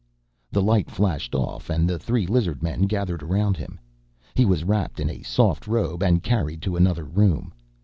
The light flashed off and the three lizard men gathered around him. He was wrapped in a soft robe and carried to another room.